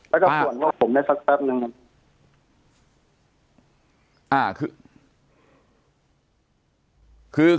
แล้วก็ฝ่วนว่าผมได้สักแป๊บนึง